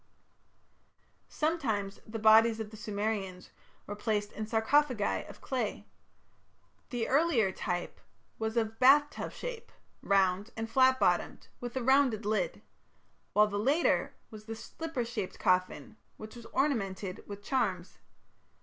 Sometimes the bodies of the Sumerians were placed in sarcophagi of clay. The earlier type was of "bath tub" shape, round and flat bottomed, with a rounded lid, while the later was the "slipper shaped coffin", which was ornamented with charms.